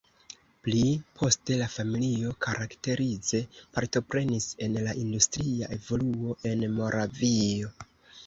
Pli poste la familio karakterize partoprenis en la industria evoluo en Moravio.